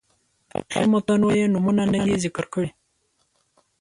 تاریخي متونو یې نومونه نه دي ذکر کړي.